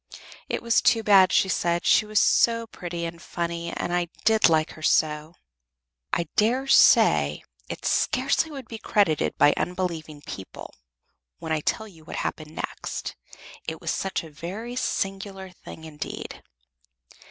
"It was too bad," she said. "She was so pretty and funny, and I did like her so." I daresay it scarcely will be credited by unbelieving people when I tell them what happened next, it was such a very singular thing, indeed.